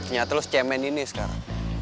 nyata lo secemen ini sekarang